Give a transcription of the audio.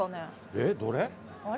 えっどれ？